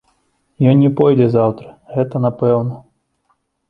Ён не пойдзе заўтра, гэта напэўна.